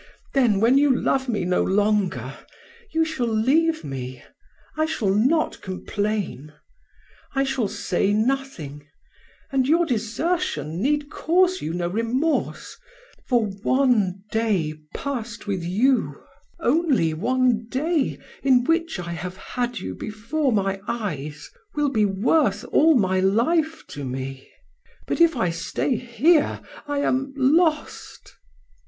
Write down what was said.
Then when you love me no longer, you shall leave me, I shall not complain, I shall say nothing; and your desertion need cause you no remorse, for one day passed with you, only one day, in which I have had you before my eyes, will be worth all my life to me. But if I stay here, I am lost."